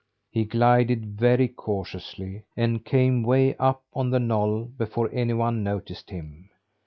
He glided very cautiously, and came way up on the knoll before anyone noticed him.